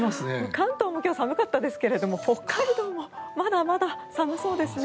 関東も今日寒かったですけど北海道もまだまだ寒そうですね。